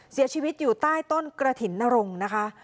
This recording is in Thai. เสียชีวิตอยู่ใต้ต้นกระถิ่นนรงค์นะคะ